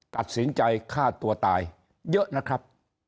ตัดสินใจฆ่าตัวตายเยอะนะครับ